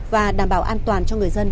và đảm bảo an toàn cho người dân